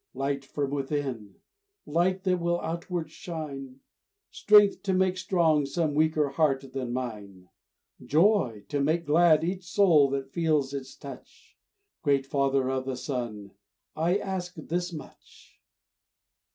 Light from within, light that will outward shine, Strength to make strong some weaker heart than mine, Joy to make glad each soul that feels its touch; Great Father of the sun, I ask this much.